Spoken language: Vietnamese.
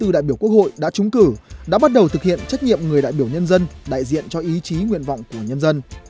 bốn trăm chín mươi bốn đại biểu quốc hội đã trúng cử đã bắt đầu thực hiện trách nhiệm người đại biểu nhân dân đại diện cho ý chí nguyện vọng của nhân dân